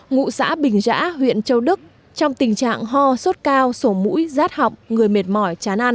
ngụ xã bình giã huyện châu đức trong tình trạng ho sốt cao sổ mũi rát họng người mệt mỏi chán ăn